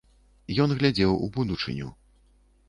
Ён глядзеў у будучыню.